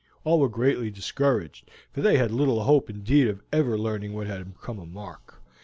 All were greatly discouraged, for they had little hope indeed of ever learning what had become of Mark.